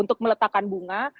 untuk meletakkan bunga